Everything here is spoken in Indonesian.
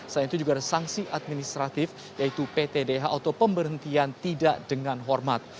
selain itu juga ada sanksi administratif yaitu ptdh atau pemberhentian tidak dengan hormat